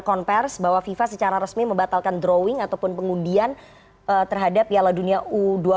konversi bahwa fifa secara resmi membatalkan drawing ataupun pengundian terhadap piala dunia u dua puluh